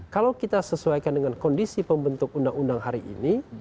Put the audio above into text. kalau kita sesuaikan dengan kondisi pembentuk undang undang hari ini